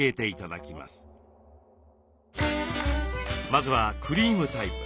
まずはクリームタイプ。